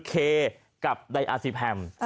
เคกับไดอาซิแพม